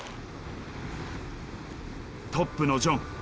トップのジョン。